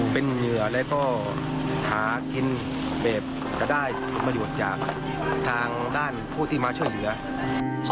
เป็นเหงื่อและก็หากินเบบก็ได้มาหยุดจากทางด้านผู้ที่มาช่วยเหลือ